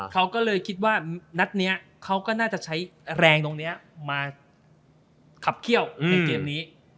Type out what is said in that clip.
เขาก็เลยคิดว่านัดนี้เขาก็น่าจะใช้แรงตรงนี้มาขับเขี้ยวในเกมนี้